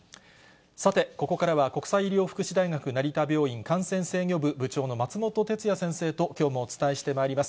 さて、ここからは国際医療福祉大学成田病院感染制御部部長の松本哲哉先生と、きょうもお伝えしてまいります。